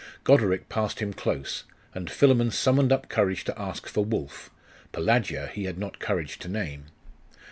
Goderic passed him close, and Philammon summoned up courage to ask for Wulf.... Pelagia he had not courage to name.